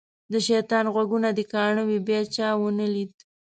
د شیطان غوږونه دې کاڼه وي بیا چا ونه لید.